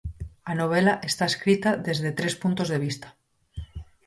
A novela está escrita desde tres puntos de vista.